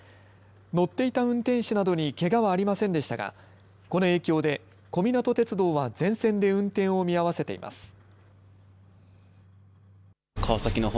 乗っていた運転士などにけがはありませんでしたがこの影響で小湊鐵道は全線で運転を見合わせています。